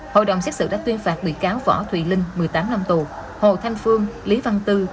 hội đồng xét xử đã tuyên phạt bị cáo võ thùy linh một mươi tám năm tù hồ thanh phương lý văn tư